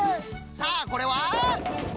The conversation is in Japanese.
さあこれは。